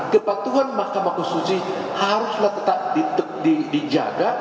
kepatuhan mahkamah konstitusi haruslah tetap dijaga